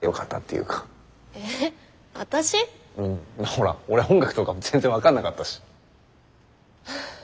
ほら俺音楽とか全然分かんなかったし。